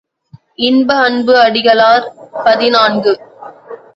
இன்ப அன்பு அடிகளார் பதினான்கு .